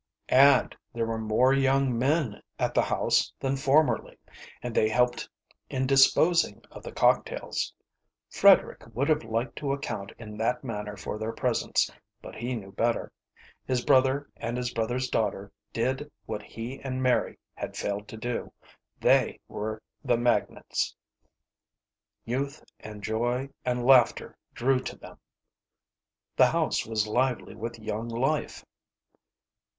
And there were more young men at the house than formerly, and they helped in disposing of the cocktails. Frederick would have liked to account in that manner for their presence, but he knew better. His brother and his brother's daughter did what he and Mary had failed to do. They were the magnets. Youth and joy and laughter drew to them. The house was lively with young life.